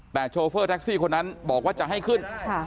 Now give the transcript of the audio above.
แต่โชเฟอร์แท็กซี่คนนั้นบอกว่าจะให้ขึ้น